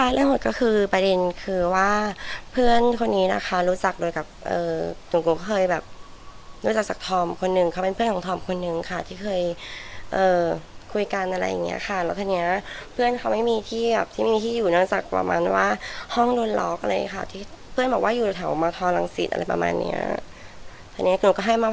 เรื่องหดก็คือประเด็นคือว่าเพื่อนคนนี้นะคะรู้จักโดยกับหนุ่มโกเคยแบบรู้จักจากธอมคนหนึ่งเขาเป็นเพื่อนของธอมคนนึงค่ะที่เคยคุยกันอะไรอย่างเงี้ยค่ะแล้วทีเนี้ยเพื่อนเขาไม่มีที่แบบที่มีที่อยู่นอกจากประมาณว่าห้องโดนล็อกอะไรอย่างเงี้ค่ะที่เพื่อนบอกว่าอยู่แถวมทรังสิตอะไรประมาณเนี้ยทีเนี้ยหนูก็ให้มา